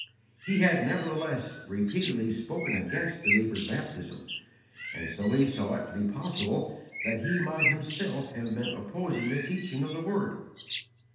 He had nevertheless repeatedly spoken against believers' baptism, and so he saw it to be possible that he might himself have been opposing the teaching of the Word.